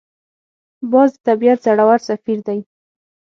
باز د طبیعت زړور سفیر دی